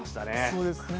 そうですね。